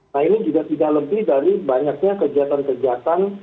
nah ini juga tidak lebih dari banyaknya kejahatan kejahatan